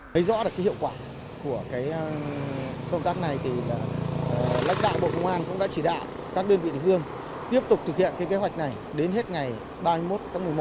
thấy rõ được cái hiệu quả của cái công tác này thì là lãnh đạo bộ công an cũng đã chỉ đạo các đơn vị địa phương tiếp tục thực hiện cái kế hoạch này đến hết ngày ba mươi một tháng một mươi một năm hai nghìn một mươi ba